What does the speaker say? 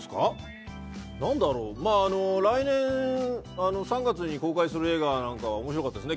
来年３月に公開する映画なんか面白かったですね。